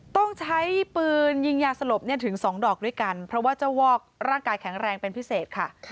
ต้องใช้ปืนยิงยาสลบถึง๒ดอกด้วยกันเพราะว่าเจ้าวอกร่างกายแข็งแรงเป็นพิเศษค่ะ